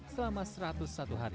selama satu ratus satu hari